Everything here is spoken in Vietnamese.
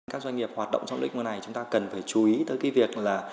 các doanh nghiệp hoạt động trong lĩnh vực này chúng ta cần phải chú ý tới cái việc là